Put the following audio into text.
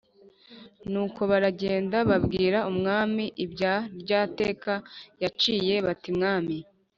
Nuko baragenda babwira umwami ibya rya teka yaciye bati mwami